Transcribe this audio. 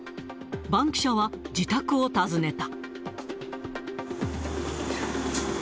バンキシャは、自宅を訪ねた。